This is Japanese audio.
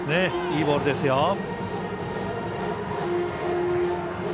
いいボールですよ。